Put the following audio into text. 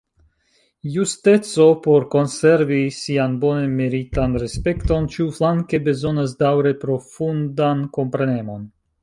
Justeco, por konservi sian bone meritan respekton, ĉiuflanke bezonas daŭre profundan komprenemon.